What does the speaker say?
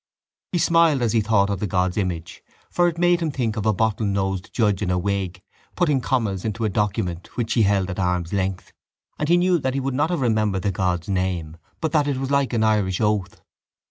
He smiled as he thought of the god's image for it made him think of a bottle nosed judge in a wig, putting commas into a document which he held at arm's length, and he knew that he would not have remembered the god's name but that it was like an Irish oath.